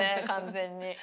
完全に。